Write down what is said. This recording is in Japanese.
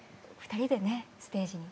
２人でねステージに。